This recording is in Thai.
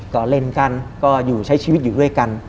ก็เล่นกันก็อยู่ใช้ชีวิตอยู่ด้วยกัน